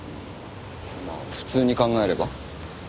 まあ普通に考えれば。